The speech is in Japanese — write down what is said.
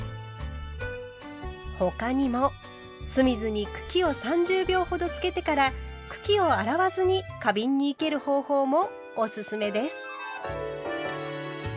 他にも酢水に茎を３０秒ほどつけてから茎を洗わずに花瓶に生ける方法もおすすめです。